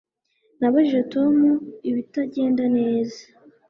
Nabajije Tom ibitagenda neza